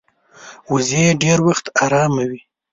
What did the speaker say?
وزې ډېر وخت آرامه وي